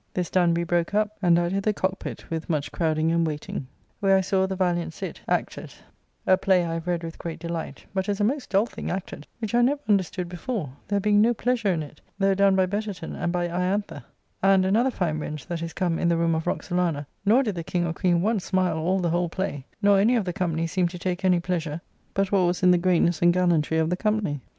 This done we broke up, and I to the Cockpitt, with much crowding and waiting, where I saw "The Valiant Cidd" [Translated from the "Cid" of Corneille] acted, a play I have read with great delight, but is a most dull thing acted, which I never understood before, there being no pleasure in it, though done by Betterton and by Ianthe, And another fine wench that is come in the room of Roxalana nor did the King or queen once smile all the whole play, nor any of the company seem to take any pleasure but what was in the greatness and gallantry of the company.